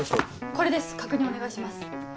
これです確認お願いします。